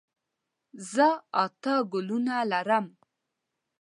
زه اته ګلونه لرم.